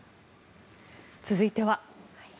続いては。